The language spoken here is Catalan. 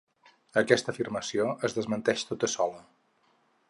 Aquesta afirmació es desmenteix tota sola.